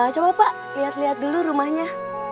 coba pak liat liat dulu rumahnya